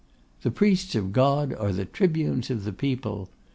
The priests of God are the tribunes of the people.